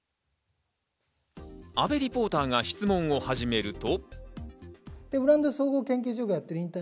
阿部リポーターが質問を始めると。